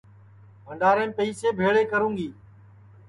بھڈؔاریم پئسے بھیݪے کروں گی